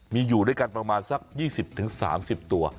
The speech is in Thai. มีอยู่ด้วยกันประมาณสัก๒๐๓๐ตัว